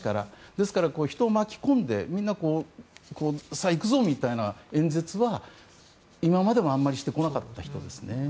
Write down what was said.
ですから、人を巻き込んでみんな、さあ行くぞみたいな演説は今までもあまりしてこなかった人ですね。